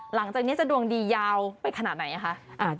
หลังจากนี้จะดวงดียาวไปขนาดไหนคะ